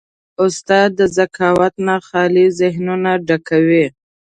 استاد د ذکاوت نه خالي ذهنونه ډکوي.